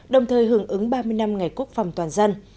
đồng thời hưởng ứng ba mươi năm ngày quốc phòng toàn dân